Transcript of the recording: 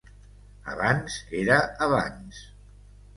Abans era abans.